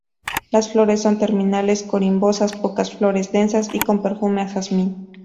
Las flores son terminales, corimbosas, pocas flores, densas y con perfume a jazmín.